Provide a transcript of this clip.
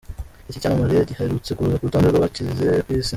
Iki cyamamare giherutse kuza ku rutonde rw’abakize ku isi.